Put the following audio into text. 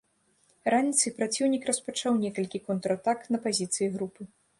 Раніцай праціўнік распачаў некалькі контратак на пазіцыі групы.